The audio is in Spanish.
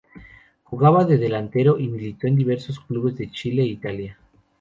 Jugaba de delantero y militó en diversos clubes de Chile e Italia.